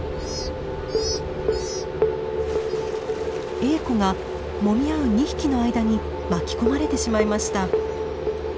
エーコがもみ合う２匹の間に巻き込まれてしまいました。